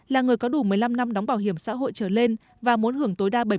là người có đủ một mươi năm năm đóng bảo hiểm xã hội trở lên và muốn hưởng tối đa bảy mươi